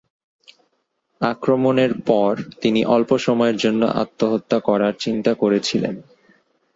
আক্রমণের পর, তিনি অল্প সময়ের জন্য আত্মহত্যা করার চিন্তা করেছিলেন।